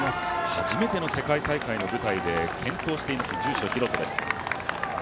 初めての世界大会の舞台で健闘しています住所大翔です。